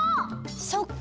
そっか！